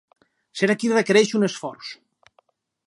Ser aquí requereix un esforç.